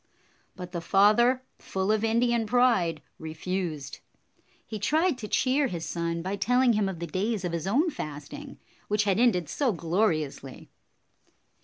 But the father, full of Indian pride, refused. He tried to cheer his son by telling him of the days of his own fasting, which had ended so gloriously.